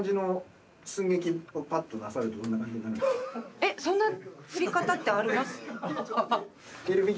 えっそんな振り方ってあります？